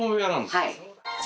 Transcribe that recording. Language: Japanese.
はい。